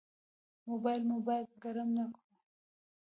موبایل مو باید ګرم نه کړو.